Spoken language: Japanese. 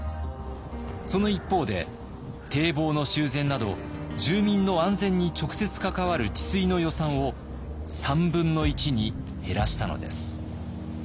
その一方で堤防の修繕など住民の安全に直接関わる治水の予算を３分の１に減らしたのです。